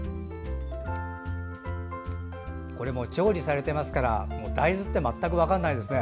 これも調理されてますから大豆って全く分からないですね。